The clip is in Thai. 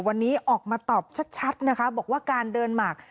วันนี้ออกมาตอบชัดนะคะบอกว่าการเดินหมาก